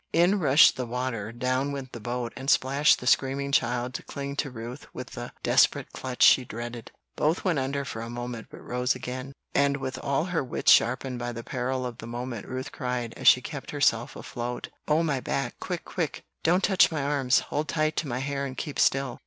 In rushed the water, down went the boat, and out splashed the screaming child to cling to Ruth with the desperate clutch she dreaded. Both went under for a moment, but rose again; and with all her wits sharpened by the peril of the moment, Ruth cried, as she kept herself afloat, "On my back, quick! quick! Don't touch my arms; hold tight to my hair, and keep still."